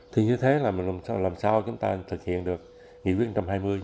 thì như thế là làm sao chúng ta thực hiện được nghị quyết một trăm hai mươi